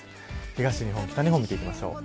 東日本、北日本を見ていきます。